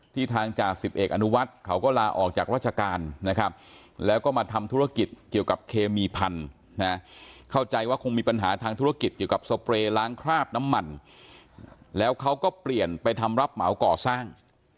ทางจ่าสิบเอกอนุวัฒน์เขาก็ลาออกจากราชการนะครับแล้วก็มาทำธุรกิจเกี่ยวกับเคมีพันธุ์นะเข้าใจว่าคงมีปัญหาทางธุรกิจเกี่ยวกับสเปรย์ล้างคราบน้ำมันแล้วเขาก็เปลี่ยนไปทำรับเหมาก่อสร้าง